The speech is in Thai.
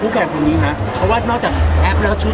กว่าเราทำเข้าไปก็ตรรกึนหน่าอยู่